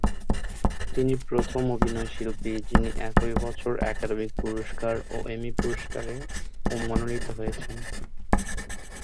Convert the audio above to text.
তিনি প্রথম অভিনয়শিল্পী, যিনি একই বছর একাডেমি পুরস্কার ও এমি পুরস্কারে মনোনীত হয়েছেন।